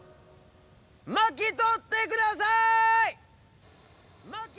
巻き取ってください！